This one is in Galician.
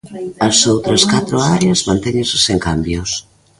As outras catro áreas mantéñense sen cambios.